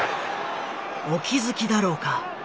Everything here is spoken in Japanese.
お気付きだろうか？